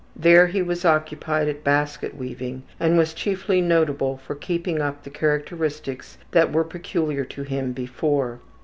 There he was occupied at basket weaving and was chiefly notable for keeping up the characteristics that were peculiar to him before.